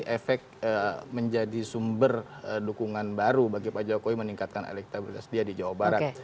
efek menjadi sumber dukungan baru bagi pak jokowi meningkatkan elektabilitas dia di jawa barat